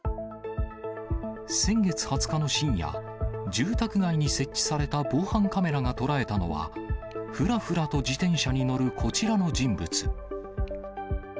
先月２０日の深夜、住宅街に設置された防犯カメラが捉えたのは、ふらふらと自転車に乗るこちらの人物。